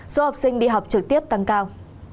số học sinh đi học trực tiếp tăng cao